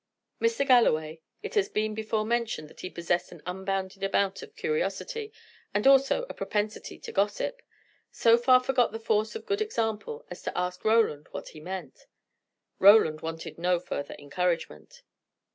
Mr. Galloway it has been before mentioned that he possessed an unbounded amount of curiosity, and also a propensity to gossip so far forgot the force of good example as to ask Roland what he meant. Roland wanted no further encouragement.